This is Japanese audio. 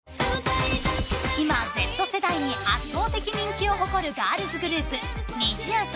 ［今Ｚ世代に圧倒的人気を誇るガールズグループＮｉｚｉＵと］